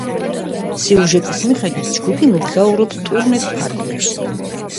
სიუჟეტის მიხედვით, ჯგუფი მოგზაურობს ტურნეს ფარგლებში.